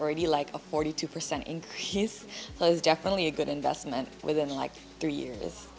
apa yang kamu inginkan untuk menjualnya